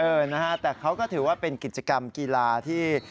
นะฮะแต่เขาก็ถือว่าเป็นกิจกรรมกีฬาที่